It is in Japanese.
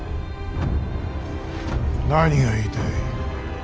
何が言いたい。